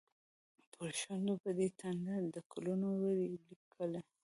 پر شونډو به دې تنده، د کلونو وي لیکلې